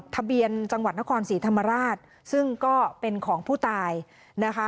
ทะเบียนจังหวัดนครศรีธรรมราชซึ่งก็เป็นของผู้ตายนะคะ